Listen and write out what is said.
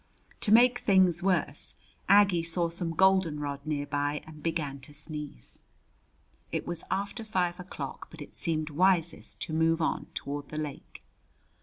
To make things worse, Aggie saw some goldenrod nearby and began to sneeze. It was after five o'clock, but it seemed wisest to move on toward the lake.